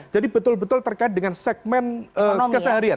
jadi betul betul terkait dengan segmen keseharian